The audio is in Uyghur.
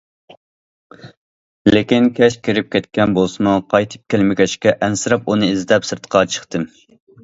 لېكىن كەچ كىرىپ كەتكەن بولسىمۇ، قايتىپ كەلمىگەچكە ئەنسىرەپ ئۇنى ئىزدەپ سىرتقا چىقتىم.